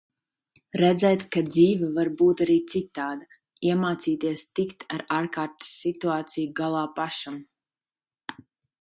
Redzēt, ka dzīve var būt arī citāda, iemācīties tikt ar ārkārtas situāciju galā pašam.